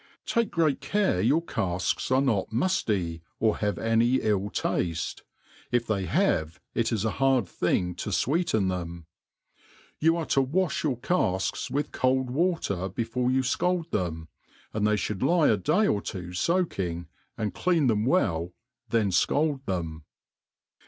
Take great care yojur ca(ks are not mufty, or have any ill hifte ; iir they have, it is a hard thing to fweeten them. ' You are to vvalb your cafks with cold water before you fcald them, and they (hould lie a day or two foalcing, and clean them well, then fcald, them.